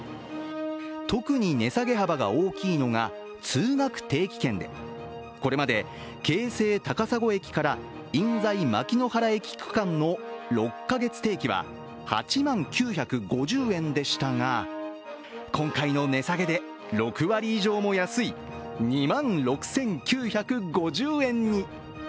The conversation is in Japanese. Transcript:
特に値下げ幅が大きいのが通学定期券でこれまで京成高砂駅から印西牧の原駅区間の６か月定期は、８万９５０円でしたが今回の値下げで６割以上も安い２万６９５０円に。